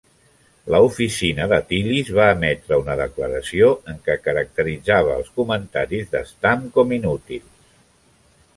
La oficina de Tillis va emetre una declaració en què caracteritzava els comentaris de Stam com "inútils".